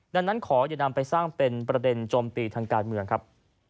ดังนั้นขออย่านำไปสร้างเป็นประเด็นโจมตีทางการเมืองครับ